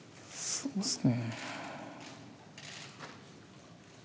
そうですね。